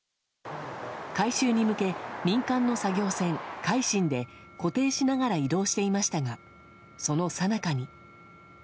回収に向け民間の作業船「海進」で固定しながら移動していましたがそのさなかに。